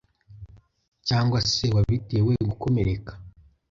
cyangwa se wabitewe gukomereka.